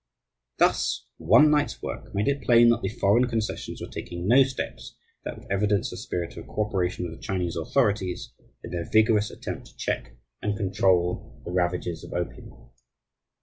Thus one night's work made it plain that the foreign concessions were taking no steps that would evidence a spirit of coöperation with the Chinese authorities in their vigorous attempt to check and control the ravages of opium.